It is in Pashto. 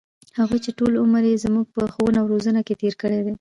هغـې چـې ټـول عـمر يـې زمـوږ په ښـوونه او روزنـه کـې تېـر کـړى و.